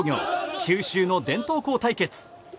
九州の伝統校対決。